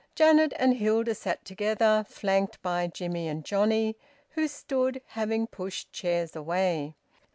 Janet and Hilda sat together, flanked by Jimmie and Johnnie, who stood, having pushed chairs away.